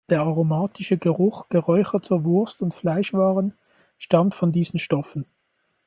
Der aromatische Geruch geräucherter Wurst- und Fleischwaren stammt von diesen Stoffen.